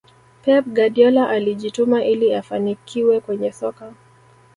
pep guardiola alijituma ili afanikiwe kwenye soka